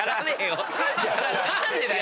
何でだよ